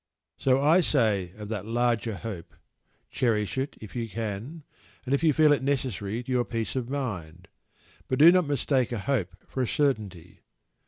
So I say of that "larger hope," cherish it if you can, and if you feel it necessary to your peace of mind. But do not mistake a hope for a certainty.